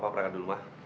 papa makan dulu ya